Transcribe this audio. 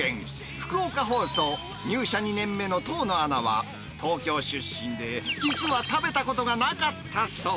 福岡放送入社２年目の遠野アナは東京出身で実は食べたことがなかったそう。